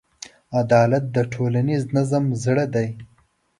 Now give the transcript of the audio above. عدالت د ټولنیز نظم زړه دی.